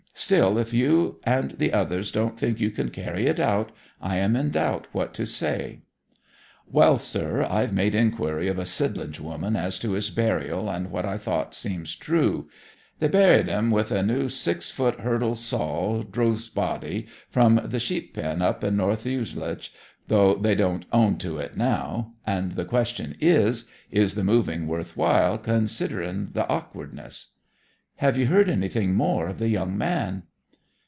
Still, if you and the others don't think you can carry it out, I am in doubt what to say.' Well, sir; I've made inquiry of a Sidlinch woman as to his burial, and what I thought seems true. They buried en wi' a new six foot hurdle saul drough's body, from the sheep pen up in North Ewelease though they won't own to it now. And the question is, Is the moving worth while, considering the awkwardness?' 'Have you heard anything more of the young man?'